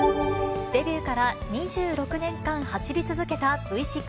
デビューから２６年間走り続けたＶ６。